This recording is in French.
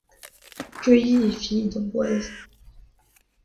Cueillez, filles d’Amboise